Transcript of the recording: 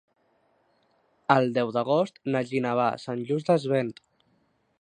El deu d'agost na Gina va a Sant Just Desvern.